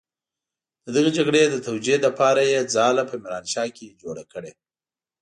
د دغې جګړې د توجيې لپاره يې ځاله په ميرانشاه کې جوړه کړې.